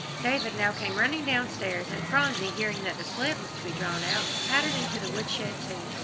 David now came running downstairs, and Phronsie, hearing that the sled was to be drawn out, pattered into the woodshed, too.